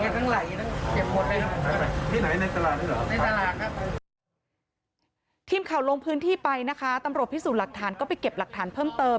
ทีมข่าวลงพื้นที่ไปนะคะตำรวจพิสูจน์หลักฐานก็ไปเก็บหลักฐานเพิ่มเติม